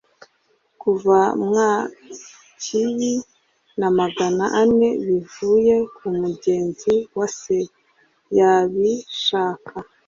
kuva nwakibie na magana ane bivuye kumugenzi wa se. yabishaka